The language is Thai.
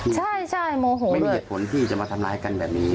ใช่ใช่โมโหไม่มีเหตุผลที่จะมาทำร้ายกันแบบนี้